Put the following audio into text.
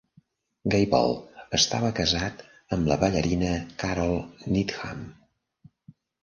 Gable estava casat amb la ballarina Carole Needham.